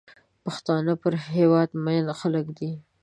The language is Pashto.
پښتانه پر هېواد مین خلک دي.